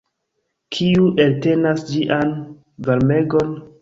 Kiu eltenas ĝian varmegon?